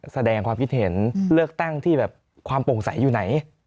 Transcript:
แสดงความคิดเห็นเลือกตั้งที่แบบความโปร่งใสอยู่ไหน